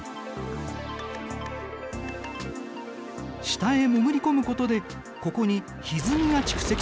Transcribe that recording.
下へ潜り込むことでここにひずみが蓄積される。